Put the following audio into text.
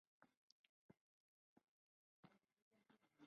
Fue la primera película naturista jamás estrenada en público en el Reino Unido.